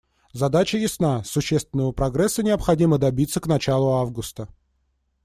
Задача ясна: существенного прогресса необходимо добиться к началу августа.